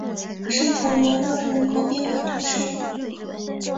圣普罗热人口变化图示